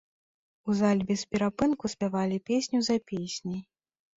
У зале без перапынку спявалі песню за песняй.